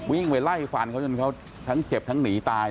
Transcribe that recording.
วิ่งไปไล่ฟันเขาจนเขาทั้งเจ็บทั้งหนีตาย